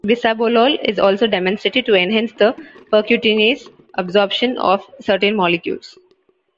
Bisabolol is also demonstrated to enhance the percutaneous absorption of certain molecules.